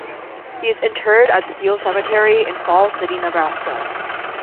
He is interred at Steele Cemetery in Falls City, Nebraska.